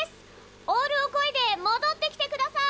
オールをこいでもどってきてください！